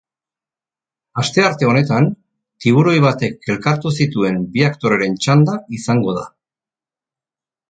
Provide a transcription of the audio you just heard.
Astearte honetan, tiburoi batek elkartu zituen bi aktoreren txanda izango da.